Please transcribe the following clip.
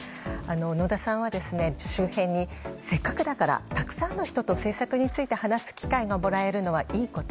野田さんは、周辺にせっかくだからたくさんの人と政策について話す機会がもらえるのはいいこと。